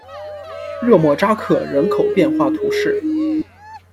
热莫扎克人口变化图示